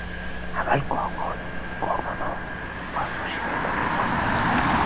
আবার কখনও কখনও কর্মশীলতা প্রবল হয়।